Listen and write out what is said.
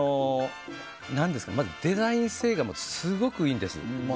まずデザイン性がすごくいいんです。